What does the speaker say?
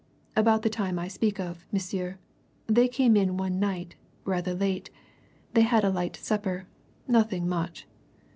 "About the time I speak of, monsieur. They came in one night rather late. They had a light supper nothing much."